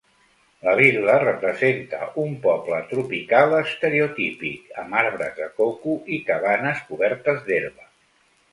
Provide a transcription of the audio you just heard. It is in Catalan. La vil·la representa un poble tropical estereotípic, amb arbres de coco i cabanes cobertes d'herba.